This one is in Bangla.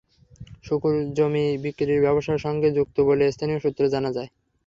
শুকুর জমি বিক্রির ব্যবসার সঙ্গে যুক্ত বলে স্থানীয় সূত্রে জানা যায়।